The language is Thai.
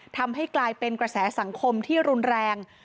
ทำให้กลายเป็นกระแสสังคมที่รุนแรง